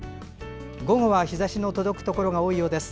午後は日ざしの届くところが多いようです。